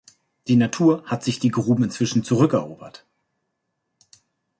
Die Natur hat sich die Gruben inzwischen zurückerobert.